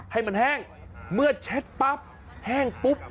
ให้มันแห้งเมื่อเช็ดปั๊บแห้งปุ๊บ